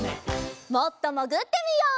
もっともぐってみよう！